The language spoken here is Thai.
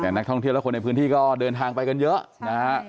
แต่นักท่องเที่ยวและคนในพื้นที่ก็เดินทางไปกันเยอะนะฮะ